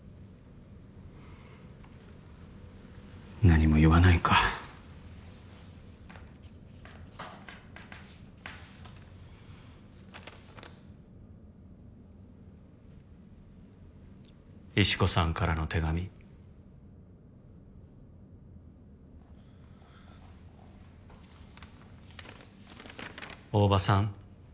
何も言わないか石子さんからの手紙「大庭さん